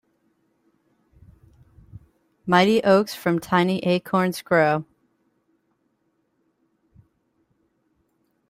Mighty oaks from tiny acorns grow.